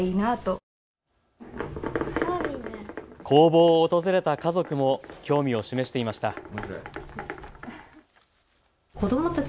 工房を訪れた家族も興味を示していました。